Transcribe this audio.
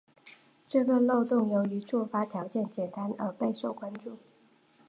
这个漏洞由于触发条件简单而备受关注。